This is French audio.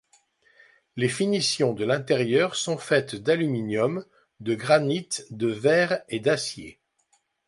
Les finitions de l'intérieur sont faites d'aluminium, de granit, de verre et d'acier.